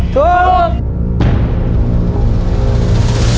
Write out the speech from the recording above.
ถูก